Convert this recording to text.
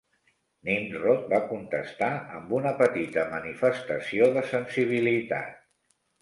Nimrod va contestar, amb una petita manifestació de sensibilitat.